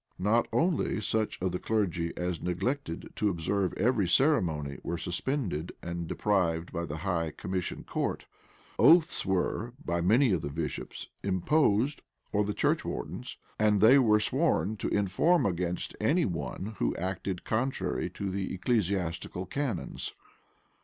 [] Not only such of the clergy as neglected to observe every ceremony were suspended and deprived by the high commission court: oaths were, by many of the bishops, imposed or the churchwardens; and they were sworn to inform against any one who acted contrary to the ecclesiastical canons.